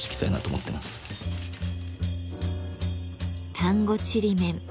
丹後ちりめん。